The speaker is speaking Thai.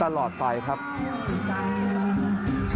และก็มีการกินยาละลายริ่มเลือดแล้วก็ยาละลายขายมันมาเลยตลอดครับ